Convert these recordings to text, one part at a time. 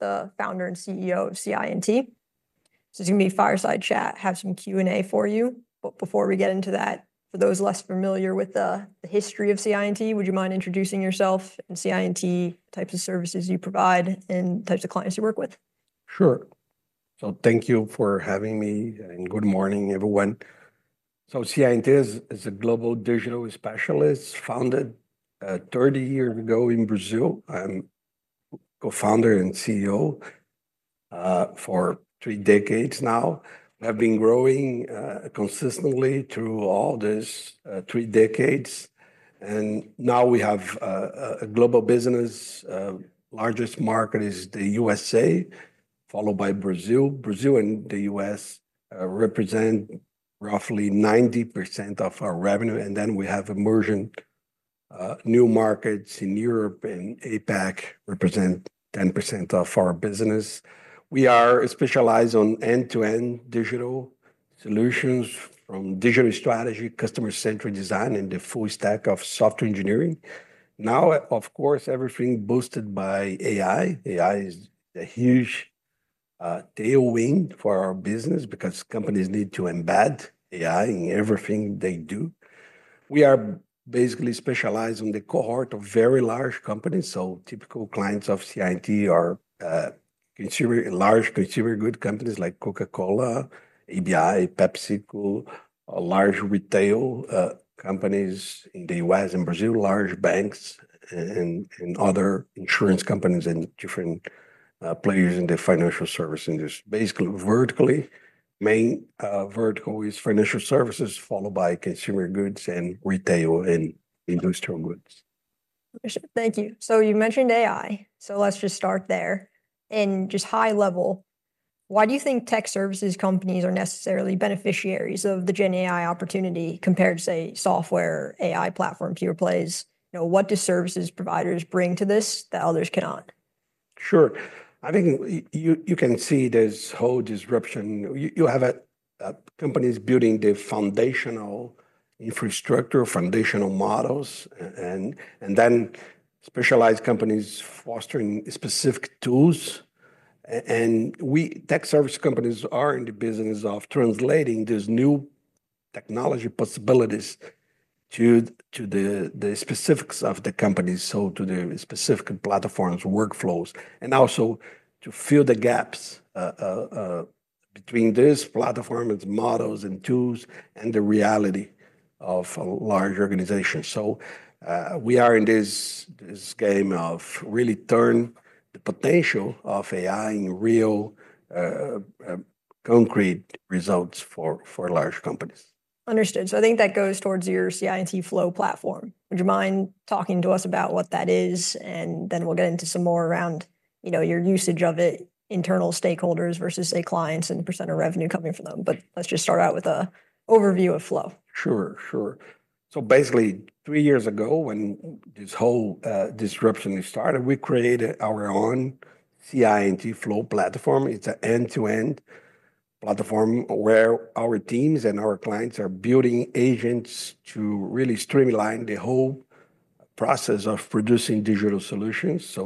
The Founder and CEO of CI&T. He's going to be fireside chat, have some Q&A for you. Before we get into that, for those less familiar with the history of CI&T, would you mind introducing yourself and CI&T, the types of services you provide, and the types of clients you work with? Sure. Thank you for having me, and good morning, everyone. CI&T is a global digital specialist founded 30 years ago in Brazil. I'm a Co-Founder and CEO for three decades now. We have been growing consistently through all these three decades. We now have a global business. The largest market is the U.S., followed by Brazil. Brazil and the U.S. represent roughly 90% of our revenue. We have emerging new markets in Europe, and APAC represents 10% of our business. We specialize in end-to-end digital solutions from digital strategy, customer-centric design, and the full stack of software engineering. Now, of course, everything is boosted by AI. AI is a huge tailwind for our business because companies need to embed AI in everything they do. We are basically specialized in the cohort of very large companies. Typical clients of CI&T are large consumer goods companies like Coca-Cola, ABI, PepsiCo, large retail companies in the U.S. and Brazil, large banks, and other insurance companies, and different players in the financial services. Basically, the main vertical is financial services, followed by consumer goods and retail and industrial goods. Thank you. You mentioned AI. Let's just start there. High level, why do you think tech services companies are necessarily beneficiaries of the Gen AI opportunity compared to, say, software AI platform key replays? What do services providers bring to this that others cannot? Sure. I think you can see this whole disruption. You have companies building the foundational infrastructure, foundational models, and then specialized companies fostering specific tools. We, tech service companies, are in the business of translating these new technology possibilities to the specifics of the companies, to the specific platforms, workflows, and also to fill the gaps between these platforms, models, and tools, and the reality of a large organization. We are in this game of really turning the potential of AI into real concrete results for large companies. Understood. I think that goes towards your CI&T/FLOW platform. Would you mind talking to us about what that is? Then we'll get into some more around your usage of it, internal stakeholders versus, say, clients, and the % of revenue coming from them. Let's just start out with an overview of FLOW. Sure, sure. Basically, three years ago, when this whole disruption started, we created our own CI&T/FLOW platform. It's an end-to-end platform where our teams and our clients are building agents to really streamline the whole process of producing digital solutions.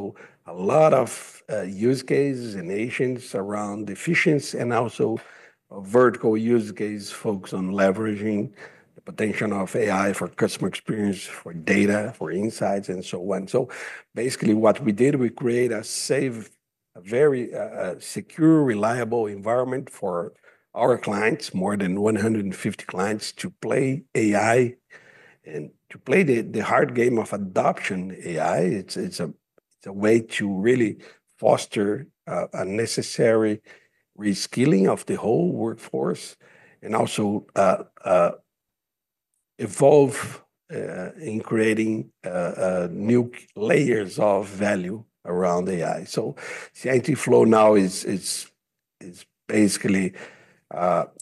A lot of use cases and agents are around efficiency and also vertical use cases focus on leveraging the potential of AI for customer experience, for data, for insights, and so on. What we did, we created a safe, a very secure, reliable environment for our clients, more than 150 clients, to play AI and to play the hard game of adopting AI. It's a way to really foster a necessary reskilling of the whole workforce and also evolve in creating new layers of value around AI. CI&T/FLOW now is basically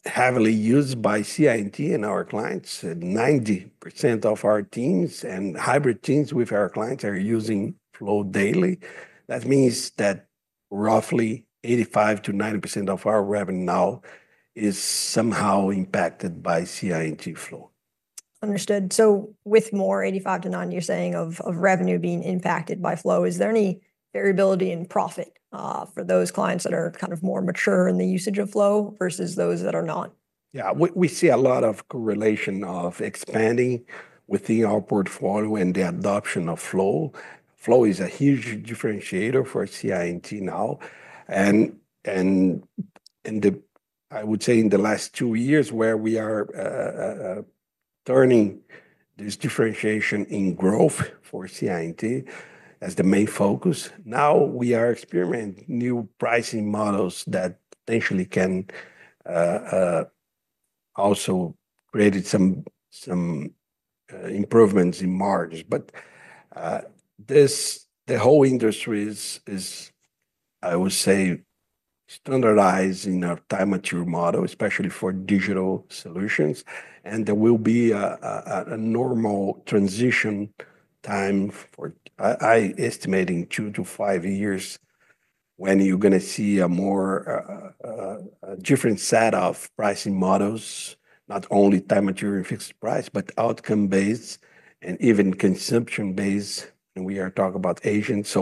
heavily used by CI&T and our clients. 90% of our teams and hybrid teams with our clients are using FLOW daily. That means that roughly 85%-90% of our revenue now is somehow impacted by CI&T/FLOW. Understood. With more 85%-90% of revenue being impacted by CI&T/FLOW, is there any variability in profit for those clients that are more mature in the usage of FLOW versus those that are not? Yeah, we see a lot of correlation of expanding within our portfolio and the adoption of CI&T/FLOW. CI&T/FLOW is a huge differentiator for CI&T now. I would say in the last two years, where we are turning this differentiation in growth for CI&T as the main focus, now we are experimenting with new pricing models that potentially can also create some improvements in margin. The whole industry is, I would say, standardized in a time-mature model, especially for digital solutions. There will be a normal transition time for, I estimate, in two to five years, when you're going to see a more different set of pricing models, not only time-mature fixed price, but outcome-based and even consumption-based. We are talking about agents.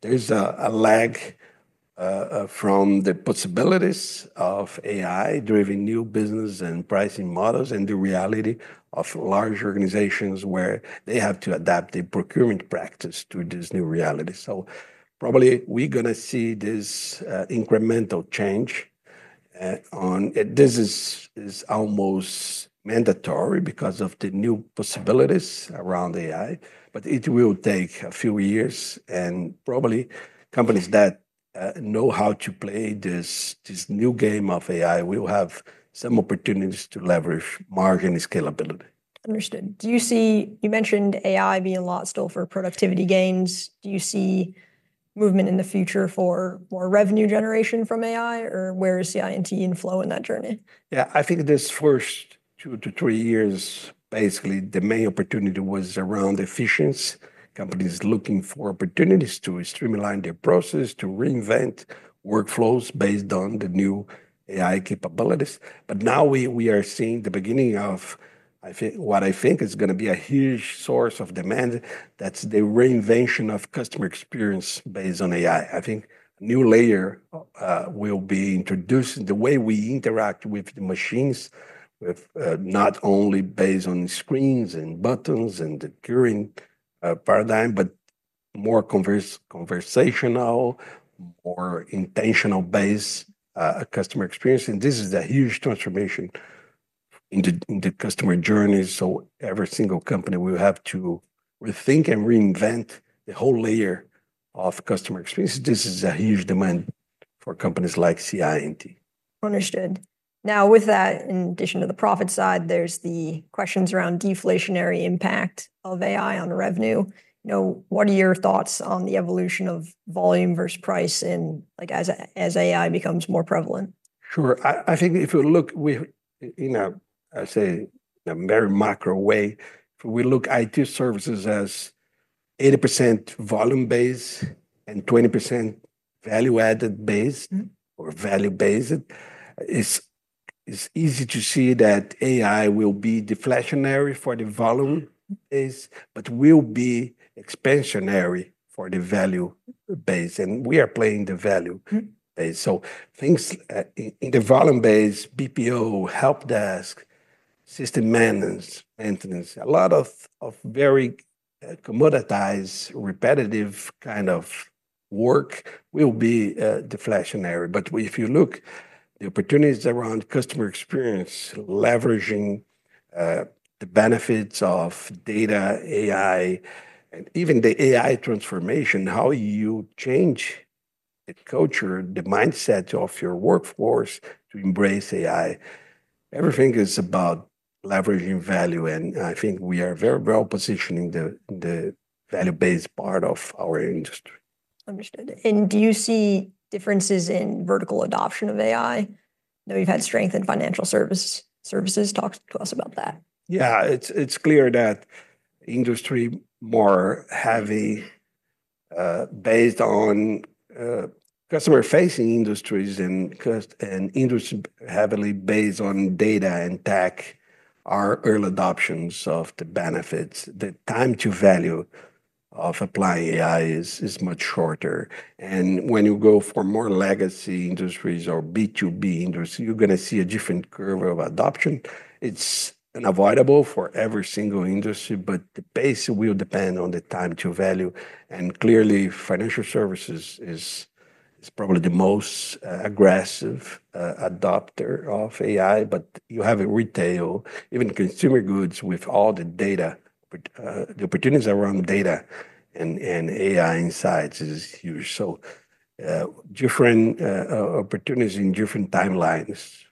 There's a lag from the possibilities of AI-driven new business and pricing models and the reality of large organizations where they have to adapt their procurement practice to this new reality. Probably we're going to see this incremental change. This is almost mandatory because of the new possibilities around AI. It will take a few years. Probably companies that know how to play this new game of AI will have some opportunities to leverage margin scalability. Understood. Do you see, you mentioned AI being a lot still for productivity gains. Do you see movement in the future for more revenue generation from AI? Where is CI&T/FLOW in that journey? Yeah, I think these first two to three years, basically, the main opportunity was around efficiency. Companies looking for opportunities to streamline their process, to reinvent workflows based on the new AI capabilities. Now we are seeing the beginning of, I think, what I think is going to be a huge source of demand. That's the reinvention of customer experience based on AI. I think a new layer will be introduced in the way we interact with the machines, not only based on screens and buttons and the queuing paradigm, but more conversational, more intentional-based customer experience. This is a huge transformation in the customer journey. Every single company will have to rethink and reinvent the whole layer of customer experience. This is a huge demand for companies like CI&T. Understood. Now, with that, in addition to the profit side, there's the questions around deflationary impact of AI on revenue. What are your thoughts on the evolution of volume versus price and like as AI becomes more prevalent? Sure. I think if you look, we, in a very macro way, we look at IT services as 80% volume-based and 20% value-added-based or value-based. It's easy to see that AI will be deflationary for the volume-based, but will be expansionary for the value-based. We are playing the value-based. Things in the volume-based, BPO, help desk, system maintenance, a lot of very commoditized, repetitive kind of work will be deflationary. If you look at the opportunities around customer experience, leveraging the benefits of data, AI, and even the AI transformation, how you change the culture, the mindset of your workforce to embrace AI, everything is about leveraging value. I think we are very well positioned in the value-based part of our industry. Understood. Do you see differences in vertical adoption of AI? I know you've had strength in financial services. Talk to us about that. Yeah, it's clear that industries more heavily based on customer-facing roles and industries heavily based on data and tech are early adopters of the benefits. The time-to-value of applying AI is much shorter. When you go for more legacy industries or B2B industries, you're going to see a different curve of adoption. It's unavoidable for every single industry, but the pace will depend on the time-to-value. Clearly, financial services is probably the most aggressive adopter of AI. You have retail, even consumer goods, with all the data. The opportunities around data and AI insights are huge. Different opportunities in different timelines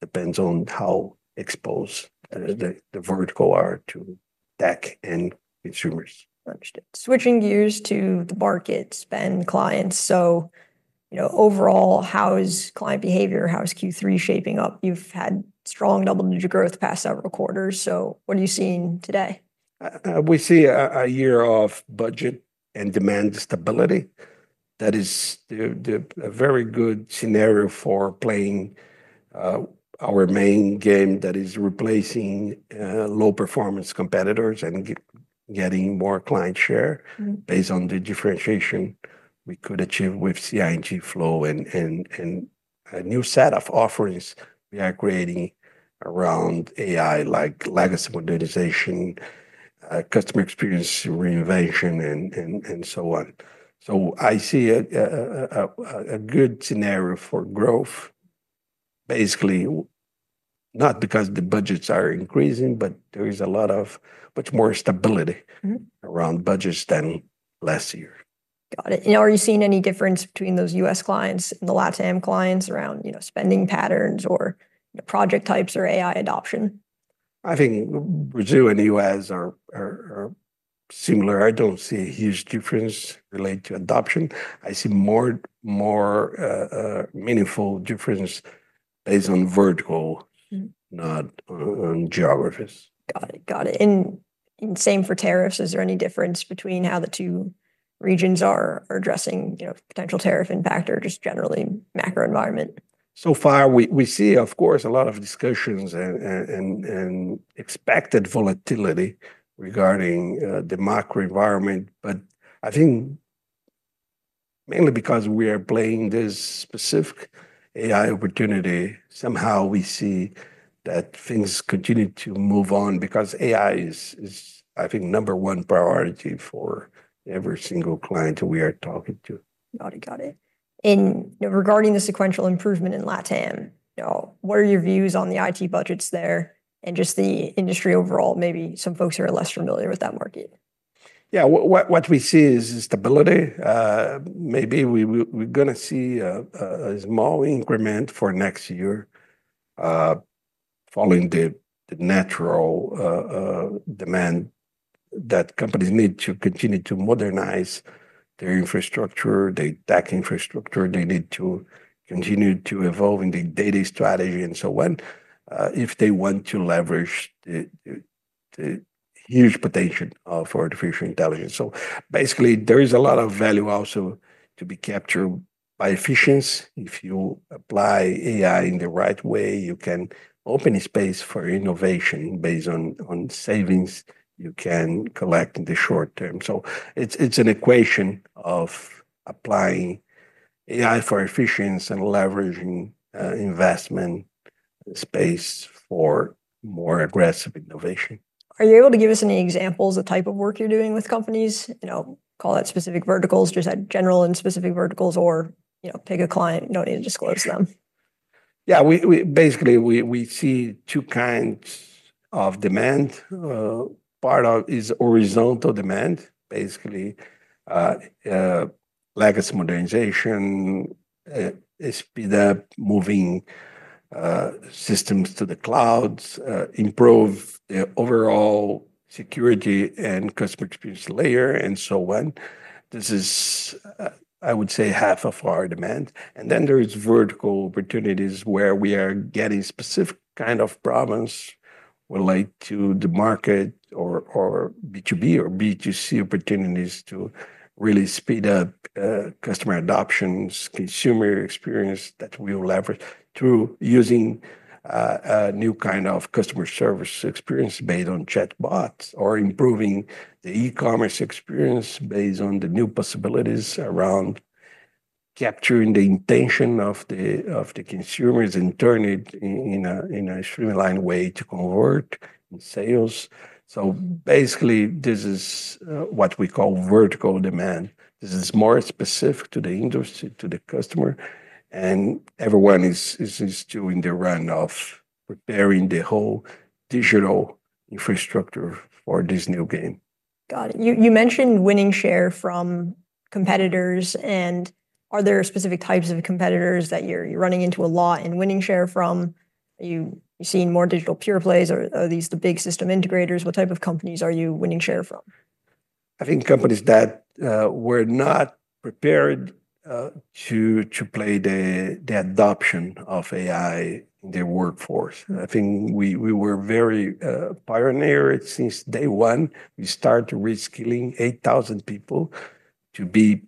depend on how exposed the verticals are to tech and consumers. Understood. Switching gears to the markets and clients. You know, overall, how is client behavior? How is Q3 shaping up? You've had strong double-digit growth the past several quarters. What are you seeing today? We see a year of budget and demand stability. That is a very good scenario for playing our main game, which is replacing low-performance competitors and getting more client share based on the differentiation we could achieve with CI&T/FLOW and a new set of offerings we are creating around AI, like legacy modernization, customer experience renovation, and so on. I see a good scenario for growth, basically, not because the budgets are increasing, but there is much more stability around budgets than last year. Got it. Are you seeing any difference between those U.S. clients and the LATAM clients around spending patterns, project types, or AI adoption? I think Brazil and the United States are similar. I don't see a huge difference related to adoption. I see a more meaningful difference based on vertical, not on geographies. Got it. Got it. Is there any difference between how the two regions are addressing potential tariff impact or just generally macro environment? We see, of course, a lot of discussions and expected volatility regarding the macro environment. I think mainly because we are playing this specific AI opportunity, somehow we see that things continue to move on because AI is, I think, number one priority for every single client we are talking to. Got it. Regarding the sequential improvement in LATAM, what are your views on the IT budgets there and just the industry overall, maybe some folks who are less familiar with that market? Yeah, what we see is stability. Maybe we're going to see a small increment for next year following the natural demand that companies need to continue to modernize their infrastructure, their tech infrastructure. They need to continue to evolve in their data strategy and so on if they want to leverage the huge potential of artificial intelligence. There is a lot of value also to be captured by efficiency. If you apply AI in the right way, you can open a space for innovation based on savings you can collect in the short term. It's an equation of applying AI for efficiency and leveraging investment space for more aggressive innovation. Are you able to give us any examples of the type of work you're doing with companies? You know, call that specific verticals, just that general and specific verticals, or pick a client, no need to disclose them. Yeah, basically, we see two kinds of demand. Part of it is horizontal demand, basically, legacy modernization, speed up moving systems to the cloud, improve the overall security and customer experience layer, and so on. This is, I would say, half of our demand. There are vertical opportunities where we are getting specific kinds of problems related to the market or B2B or B2C opportunities to really speed up customer adoptions, consumer experience that we will leverage through using a new kind of customer service experience based on chatbots or improving the e-commerce experience based on the new possibilities around capturing the intention of the consumers and turning it in a streamlined way to convert in sales. Basically, this is what we call vertical demand. This is more specific to the industry, to the customer. Everyone is doing the run of preparing the whole digital infrastructure for this new game. Got it. You mentioned winning share from competitors. Are there specific types of competitors that you're running into a lot in winning share from? Are you seeing more digital pure plays? Are these the big system integrators? What type of companies are you winning share from? I think companies that were not prepared to play the adoption of AI in their workforce. I think we were very pioneers since day one. We started reskilling 8,000 people to be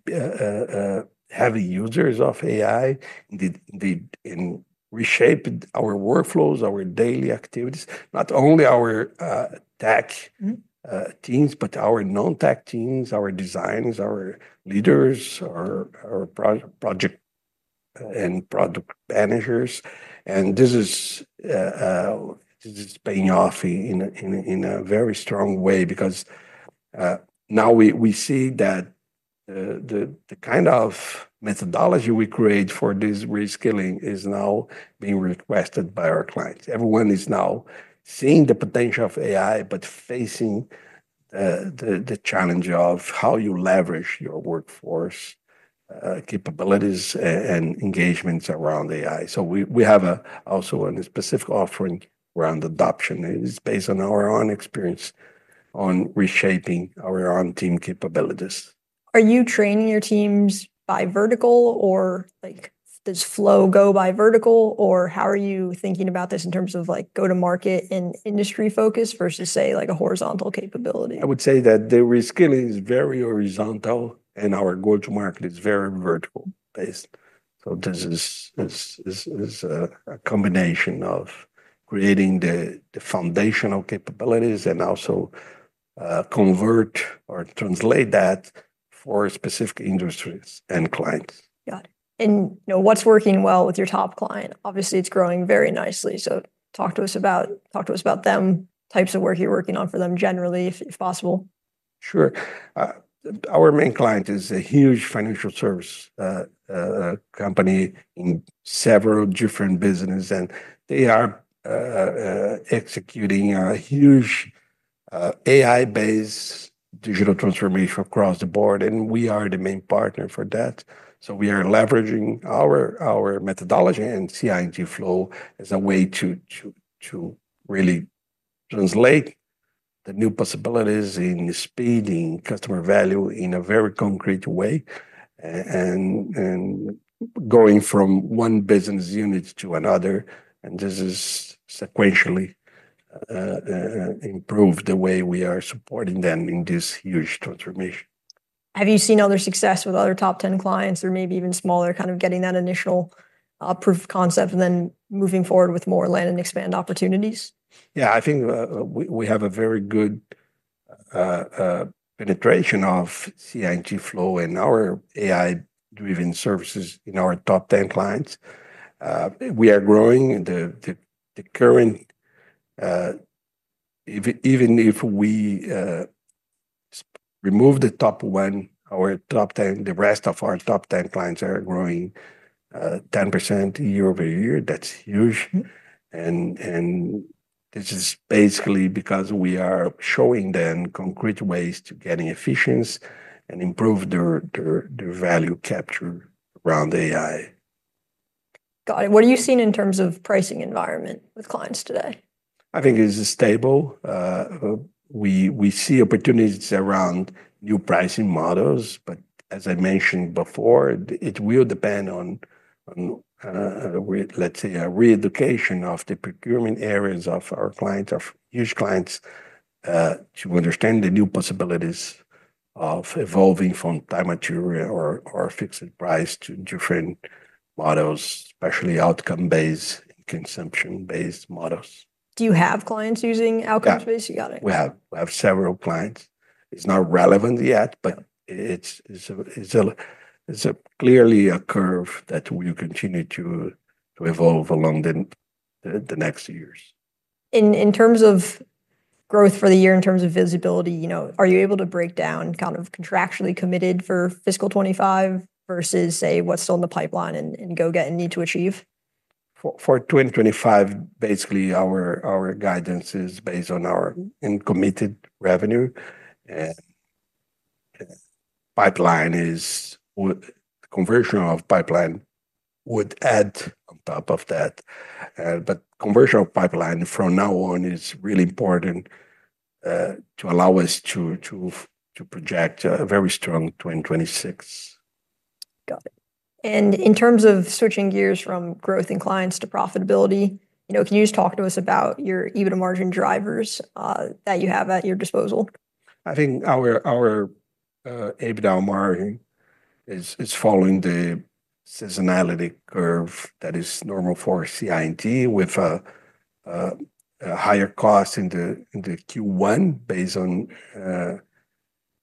heavy users of AI and reshaped our workflows, our daily activities, not only our tech teams, but our non-tech teams, our designers, our leaders, our project managers. This is paying off in a very strong way because now we see that the kind of methodology we create for this reskilling is now being requested by our clients. Everyone is now seeing the potential of AI, facing the challenge of how you leverage your workforce capabilities and engagements around AI. We have also a specific offering around adoption. It's based on our own experience on reshaping our own team capabilities. Are you training your teams by vertical, or does CI&T/FLOW go by vertical? How are you thinking about this in terms of go-to-market and industry focus versus, say, a horizontal capability? I would say that the reskilling is very horizontal, and our go-to-market is very vertical-based. This is a combination of creating the foundational capabilities and also convert or translate that for specific industries and clients. Got it. You know what's working well with your top client? Obviously, it's growing very nicely. Talk to us about them, types of work you're working on for them generally, if possible. Sure. Our main client is a huge financial service company in several different businesses. They are executing a huge AI-powered digital transformation across the board. We are the main partner for that. We are leveraging our methodology and CI&T/FLOW as a way to really translate the new possibilities in speeding customer value in a very concrete way and going from one business unit to another. This has sequentially improved the way we are supporting them in this huge transformation. Have you seen other success with other top 10 clients or maybe even smaller, kind of getting that initial proof of concept and then moving forward with more land and expand opportunities? Yeah, I think we have a very good penetration of CI&T/FLOW and our AI-powered digital transformation services in our top 10 clients. We are growing. Even if we remove the top one, our top 10, the rest of our top 10 clients are growing 10% year-over-year. That's huge. This is basically because we are showing them concrete ways to get efficiency and improve their value capture around AI. Got it. What are you seeing in terms of pricing environment with clients today? I think it's stable. We see opportunities around new pricing models. As I mentioned before, it will depend on, let's say, a re-education of the procurement areas of our clients, our huge clients, to understand the new possibilities of evolving from time-mature or fixed price to different models, especially outcome-based, consumption-based models. Do you have clients using outcome- and consumption-based pricing models? Yes. Got it. We have several clients. It's not relevant yet, but it's clearly a curve that will continue to evolve along the next years. In terms of growth for the year, in terms of visibility, are you able to break down kind of contractually committed for fiscal 2025 versus, say, what's still in the pipeline and go get and need to achieve? For 2025, basically, our guidance is based on our uncommitted revenue. Conversion of pipeline would add on top of that. Conversion of pipeline from now on is really important to allow us to project a very strong 2026. Got it. In terms of switching gears from growth in clients to profitability, if you just talk to us about your EBITDA margin drivers that you have at your disposal. I think our EBITDA margin is following the seasonality curve that is normal for CI&T, with a higher cost in Q1 based on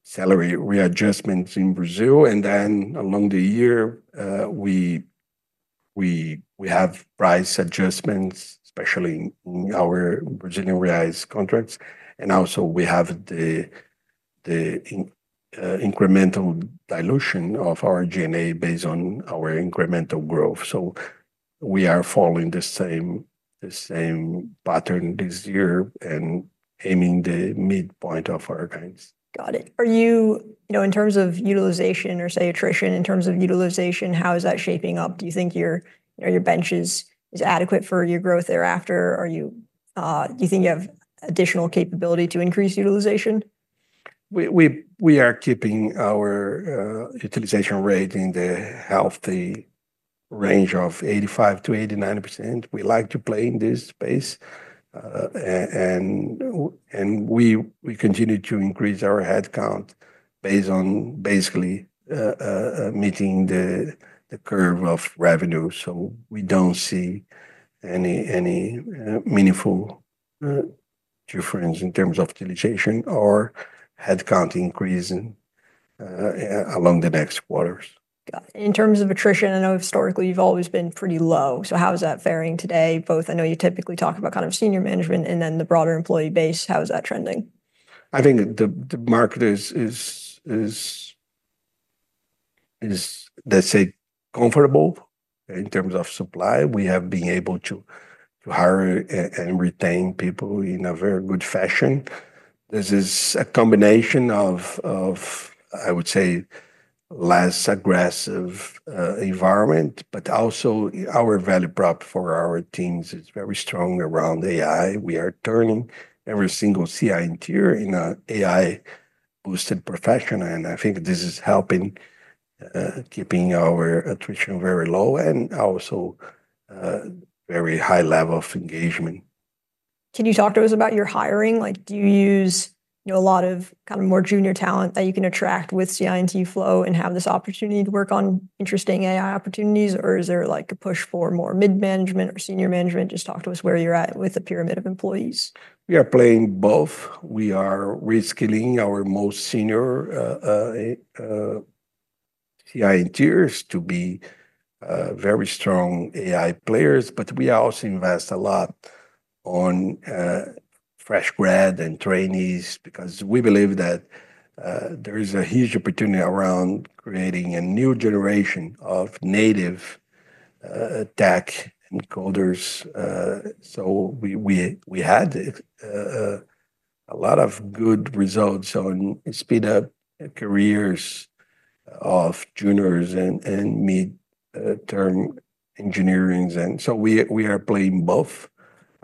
salary readjustments in Brazil. Along the year, we have price adjustments, especially in our Brazilian realized contracts. We also have the incremental dilution of our G&A based on our incremental growth. We are following the same pattern this year and aiming the midpoint of our gains. Are you, in terms of utilization or, say, attrition, in terms of utilization, how is that shaping up? Do you think your bench is adequate for your growth thereafter? Do you think you have additional capability to increase utilization? We are keeping our utilization rate in the healthy range of 85%-89%. We like to play in this space, and we continue to increase our headcount based on basically meeting the curve of revenue. We don't see any meaningful difference in terms of utilization or headcount increase along the next quarters. In terms of attrition, I know historically you've always been pretty low. How is that faring today? I know you typically talk about kind of senior management and then the broader employee base. How is that trending? I think the market is, let's say, comfortable in terms of supply. We have been able to hire and retain people in a very good fashion. This is a combination of, I would say, a less aggressive environment. Also, our value prop for our teams is very strong around AI. We are turning every single CI&T in an AI-boosted profession. I think this is helping keeping our attrition very low and also a very high level of engagement. Can you talk to us about your hiring? Like, do you use a lot of kind of more junior talent that you can attract with CI&T/FLOW and have this opportunity to work on interesting AI opportunities? Or is there like a push for more mid-management or senior management? Just talk to us where you're at with the pyramid of employees. We are playing both. We are reskilling our most senior CI&T to be very strong AI players. We also invest a lot on fresh grad and trainees because we believe that there is a huge opportunity around creating a new generation of native tech coders. We had a lot of good results on speeding up careers of juniors and mid-term engineerings. We are playing both.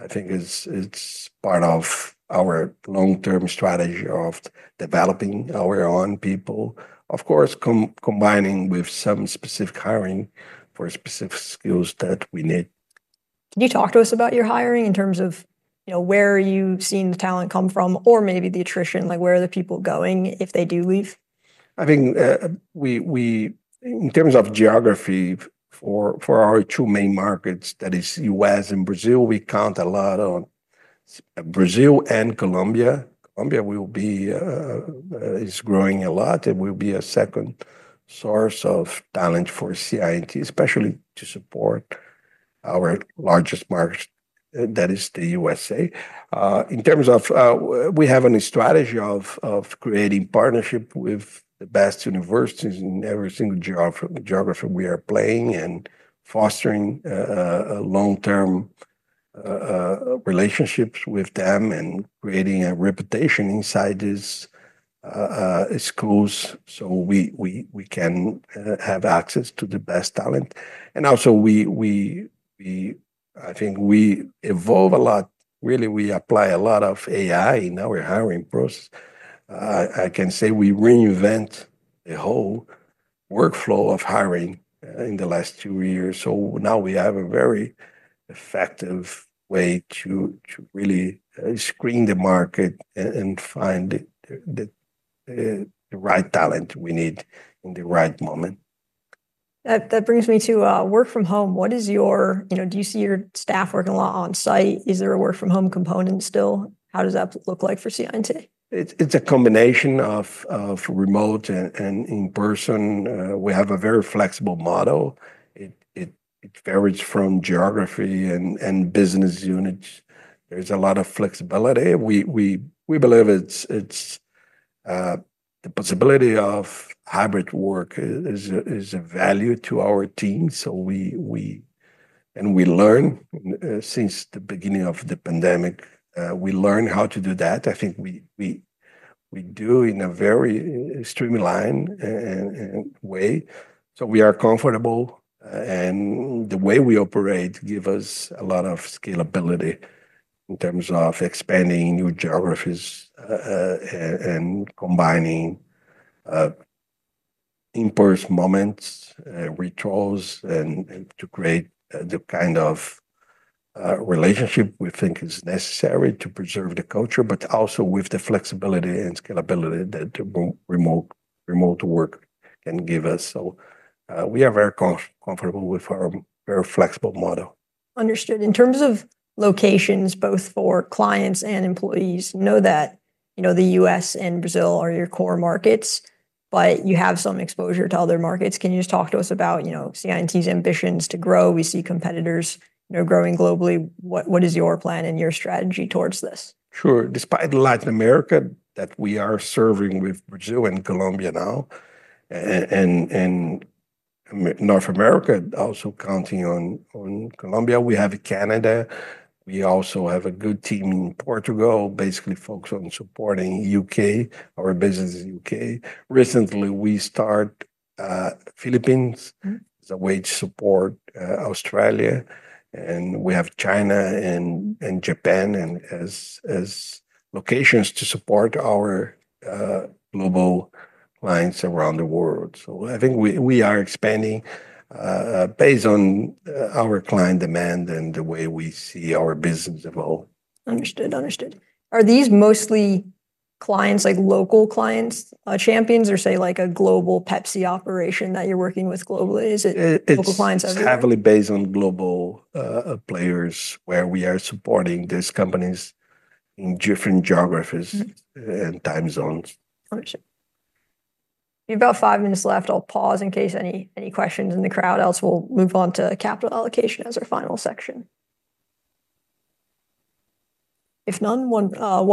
I think it's part of our long-term strategy of developing our own people, of course, combining with some specific hiring for specific skills that we need. Can you talk to us about your hiring in terms of where you've seen the talent come from or maybe the attrition? Where are the people going if they do leave? I think we, in terms of geography, for our two main markets, that is U.S. and Brazil, we count a lot on Brazil and Colombia. Colombia is growing a lot. It will be a second source of talent for CI&T, especially to support our largest market, that is the U.S. In terms of, we have a strategy of creating partnerships with the best universities in every single geography we are playing and fostering long-term relationships with them, creating a reputation inside these schools so we can have access to the best talent. I think we evolve a lot. Really, we apply a lot of AI in our hiring process. I can say we reinvent the whole workflow of hiring in the last two years. Now we have a very effective way to really screen the market and find the right talent we need in the right moment. That brings me to work from home. What is your, you know, do you see your staff working a lot on-site? Is there a work-from-home component still? How does that look like for CI&T? It's a combination of remote and in-person. We have a very flexible model. It varies from geography and business units. There's a lot of flexibility. We believe the possibility of hybrid work is a value to our teams. We learned since the beginning of the pandemic, we learned how to do that. I think we do in a very streamlined way. We are comfortable, and the way we operate gives us a lot of scalability in terms of expanding new geographies and combining impulse moments, rituals, and to create the kind of relationship we think is necessary to preserve the culture, but also with the flexibility and scalability that remote work can give us. We are very comfortable with our very flexible model. Understood. In terms of locations, both for clients and employees, know that the U.S. and Brazil are your core markets, but you have some exposure to other markets. Can you just talk to us about CI&T's ambitions to grow? We see competitors growing globally. What is your plan and your strategy towards this? Sure. Despite Latin America that we are serving with Brazil and Colombia now, and North America, also counting on Colombia, we have Canada. We also have a good team in Portugal, basically focused on supporting the UK. Our business is in the UK. Recently, we started the Philippines as a way to support Australia. We have China and Japan as locations to support our global clients around the world. I think we are expanding based on our client demand and the way we see our business evolve. Understood. Are these mostly clients, like local clients' champions, or say, like a global PepsiCo operation that you're working with globally? Is it local clients? It's heavily based on global players, where we are supporting these companies in different geographies and time zones. Understood. We have about five minutes left. I'll pause in case any questions in the crowd. Else, we'll move on to capital allocation as our final section. If none, one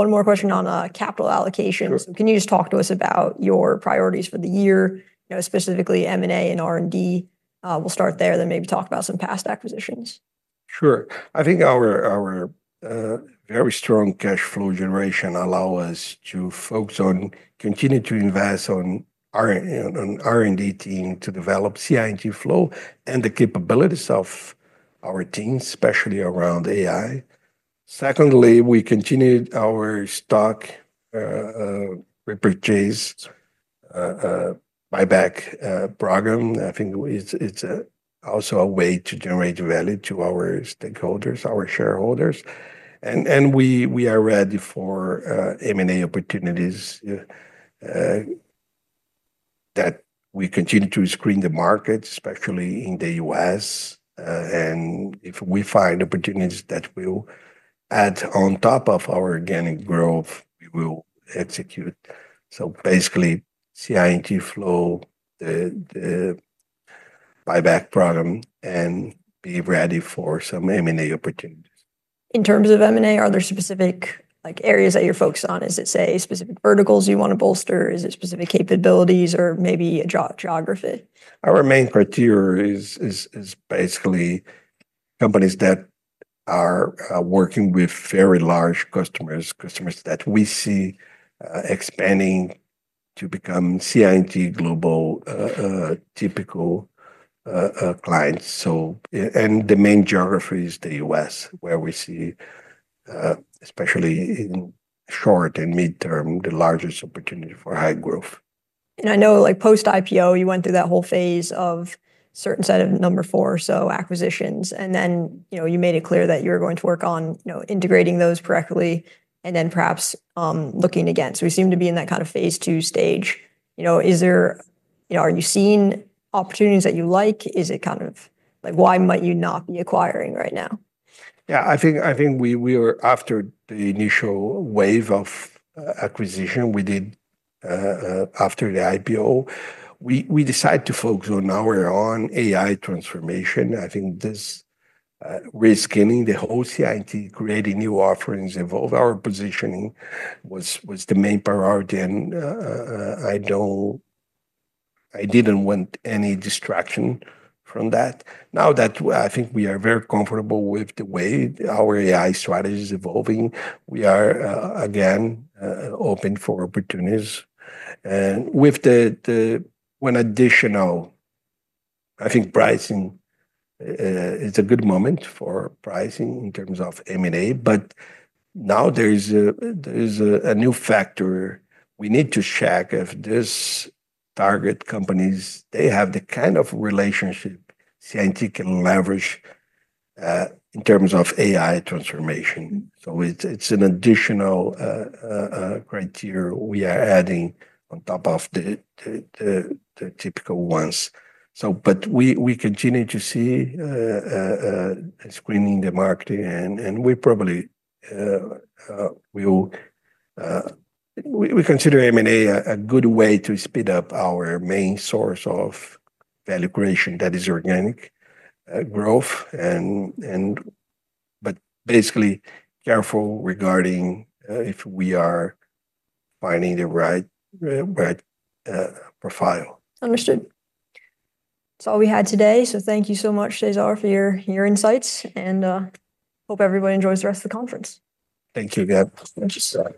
more question on capital allocation. Can you just talk to us about your priorities for the year, specifically M&A and R&D? We'll start there, then maybe talk about some past acquisitions. Sure. I think our very strong cash flow generation allows us to focus on continuing to invest on our R&D team to develop CI&T/FLOW and the capabilities of our teams, especially around AI. Secondly, we continue our stock repurchase, buyback program. I think it's also a way to generate value to our stakeholders, our shareholders. We are ready for M&A opportunities that we continue to screen the market, especially in the U.S. If we find opportunities that will add on top of our organic growth, we will execute. Basically, CI&T/FLOW, the buyback program, and be ready for some M&A opportunities. In terms of M&A, are there specific areas that you're focused on? Is it, say, specific verticals you want to bolster? Is it specific capabilities or maybe a geography? Our main criteria is basically companies that are working with very large customers, customers that we see expanding to become CI&T global typical clients. The main geography is the U.S., where we see, especially in short and mid-term, the largest opportunity for high growth. I know, like post-IPO, you went through that whole phase of a certain set of number four, so acquisitions. You made it clear that you're going to work on integrating those correctly and then perhaps looking again. We seem to be in that kind of phase two stage. You know, are you seeing opportunities that you like? Is it kind of like, why might you not be acquiring right now? Yeah, I think we were after the initial wave of acquisition we did after the IPO. We decided to focus on our own AI transformation. I think this reskilling the whole CI&T, creating new offerings, evolve our positioning was the main priority. I didn't want any distraction from that. Now that I think we are very comfortable with the way our AI strategy is evolving, we are again open for opportunities. With one additional, I think pricing is a good moment for pricing in terms of M&A. Now there is a new factor we need to check if these target companies, they have the kind of relationship CI&T can leverage in terms of AI transformation. It's an additional criteria we are adding on top of the typical ones. We continue to see screening the market. We probably will consider M&A a good way to speed up our main source of value creation that is organic growth, basically careful regarding if we are finding the right profile. Understood. That's all we had today. Thank you so much, Cesar, for your insights. Hope everyone enjoys the rest of the conference. Thank you, Deb. Thank you, Cesar.